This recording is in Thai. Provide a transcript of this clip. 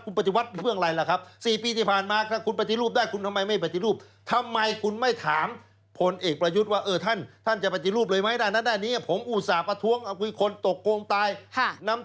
คุณปฏิวัติเป็นเรื่องอะไรล่ะครับ